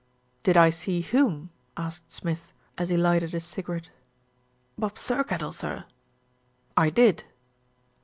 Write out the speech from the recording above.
"Did I see whom?" asked Smith, as he lighted a cigarette. "Bob Thirkettle, sir." "I did."